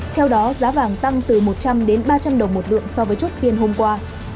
theo đó giá vàng tăng từ một trăm linh đến ba trăm linh đồng một lượng so với chốt phiên hôm qua